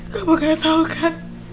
kamu kan tau kan